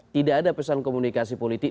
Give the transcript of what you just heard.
tidak ada pesan komunikasi politik